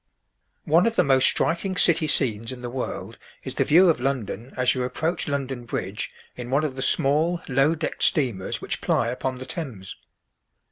One of the most striking city scenes in the world is the view of London as you approach London Bridge in one of the small, low decked steamers which ply upon the Thames.